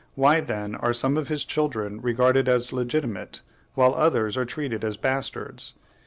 Why, then, are some of his children regarded as legitimate, while others are treated as bastards?